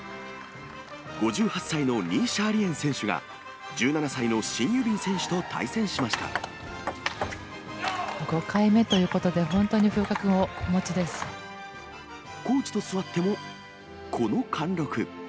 ５８歳のニー・シャーリエン選手が１７歳のシン・ユビン選手と対５回目ということで、本当にコーチと座っても、この貫禄。